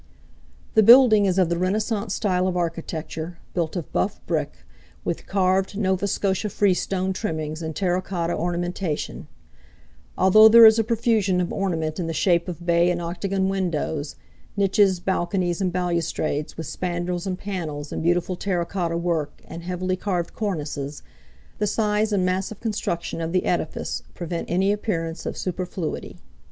The building is of the Renaissance style of architecture, built of buff brick, with carved Nova Scotia freestone trimmings and terra cotta ornamentation. Although there is a profusion of ornament in the shape of bay and octagon windows, niches, balconies, and balustrades, with spandrels and panels in beautiful terra cotta work and heavily carved cornices, the size and massive construction of the edifice prevent any appearance of superfluity.